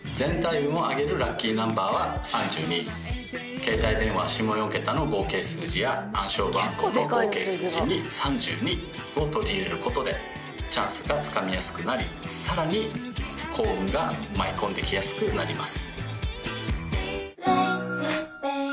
携帯電話下４桁の合計数字や暗証番号の合計数字に３２を取り入れることでチャンスがつかみやすくなりさらに幸運が舞い込んできやすくなります。